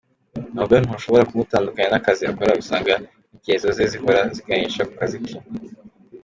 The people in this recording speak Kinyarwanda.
Norbert ntushobora kumutandukanya n’akazi akora usanga intekerezo ze zihora ziganisha ku kazi ke.